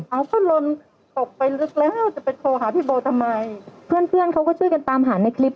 เอาก็ลนตกไปลึกแล้วจะไปโทรหาพี่โบทำไมเพื่อนเพื่อนเขาก็ช่วยกันตามหาในคลิป